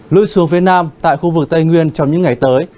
lui xuống phía nam tại khu vực tây nguyên trong những ngày tới